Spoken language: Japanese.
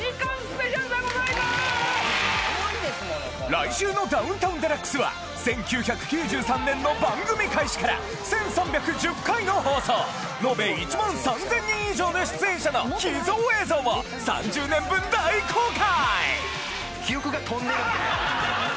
来週の『ダウンタウンＤＸ』は１９９３年の番組開始から１３１０回の放送のべ１万３０００人以上の出演者の秘蔵映像を３０年分大公開！